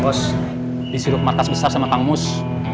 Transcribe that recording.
bos disirup markas besar sama kang mus